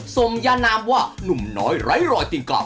สมยานามว่านุ่มน้อยไหลลอยติ๊งกล่าว